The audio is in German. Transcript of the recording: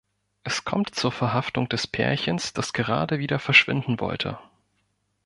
Es kommt zur Verhaftung des Pärchens, das gerade wieder verschwinden wollte.